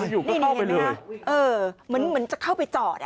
อยู่ก็เข้าไปเลยเออเหมือนจะเข้าไปจอดอ่ะนะฮะ